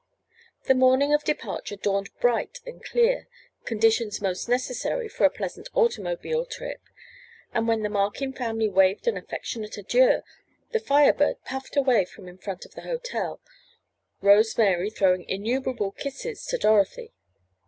The morning of departure dawned bright and clear, conditions most necessary for a pleasant automobile trip, and when the Markin family waved an affectionate adieu, the Fire Bird puffed away from in front of the hotel, Rose Mary throwing innumerable kisses to Dorothy.